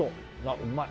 うまい。